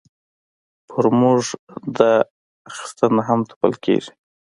پر موږ دا اخیستنه هم تپل کېږي.